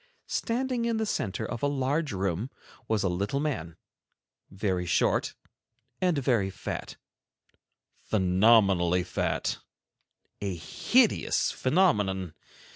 Standing in the center of a large room, was a little man, very short, and very fat, phenomenally fat, a hideous phenomenon.